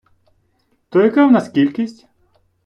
То яка в нас кількість?